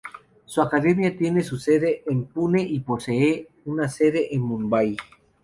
Su academia tiene su sede en Pune, y posee una sede en Mumbai.